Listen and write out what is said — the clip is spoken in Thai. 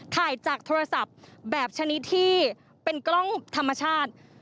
ถ่ายจากโทรศัพท์แบบชนิดที่เป็นกล้องธรรมชาติ